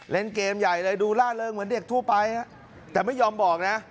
เล่นเกมใหญ่เลยดูล่าเริงเหมือนเด็กทั่วไปแต่ไม่ยอมบอกนะ